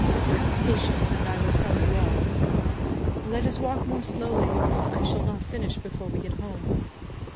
Have patience and I will tell you all. Let us walk more slowly, or I shall not finish before we get home.